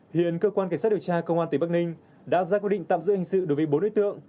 hiện cơ quan cảnh sát điều tra công an tỉnh bắc ninh đã ra quyết định tạm giữ hình sự đối với bốn đối tượng